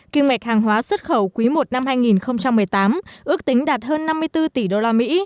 kim ngạch hàng hóa xuất khẩu quý i năm hai nghìn một mươi tám ước tính đạt hơn năm mươi bốn tỷ đô la mỹ